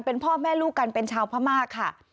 เป็นพ่อแม่ลูกกันเป็นชาวพม่าค่ะ